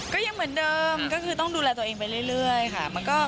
ก็ยังเหมือนเดิมก็คือต้องดูแลตัวเองไปเรื่อยค่ะ